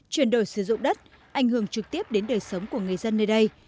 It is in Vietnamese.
chuyển đổi sử dụng đất ảnh hưởng trực tiếp đến đời sống của người dân nơi đây